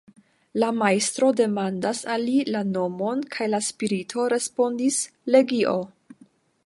La Majstro demandas al li la nomon, kaj la spirito respondis: "legio".